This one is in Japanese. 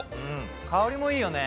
香りもいいよね。